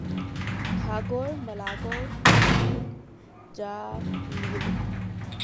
Kughore malagho gha loli.